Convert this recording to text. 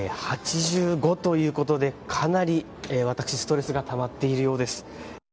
８５ということでかなり私ストレスがたまっているようです。